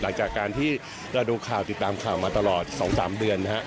หลังจากการที่เราดูข่าวติดตามข่าวมาตลอด๒๓เดือน